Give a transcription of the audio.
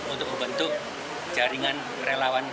untuk membentuk jaringan relawan